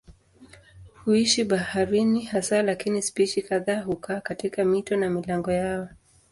Huishi baharini hasa lakini spishi kadhaa hukaa katika mito na milango yao.